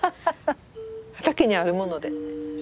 畑にあるもので出来た。